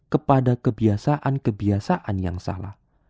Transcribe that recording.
kepada kebiasaan kebiasaan yang salah